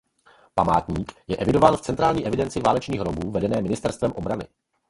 Památník je evidován v Centrální evidenci válečných hrobů vedené ministerstvem obrany.